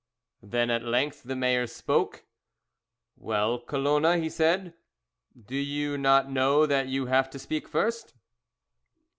Then at length the mayor spoke. "Well, Colona," he said, "do you not know that you have to speak first?"